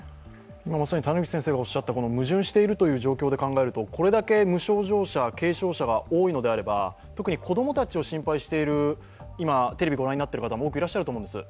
まさに矛盾しているという状況の中で、これだけ無症状者、軽症者が多いのであれば特に子供たちを心配している今、テレビを御覧になっている方も多くいらっしゃると思います。